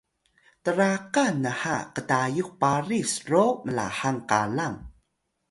traka nha ktayux paris ro mlahang qalang